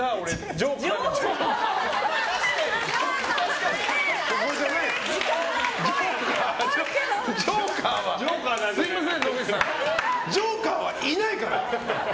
ジョーカーはいないから！